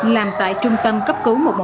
làm tại trung tâm cấp cứu một trăm một mươi